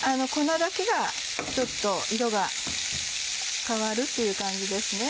粉だけがちょっと色が変わるっていう感じです。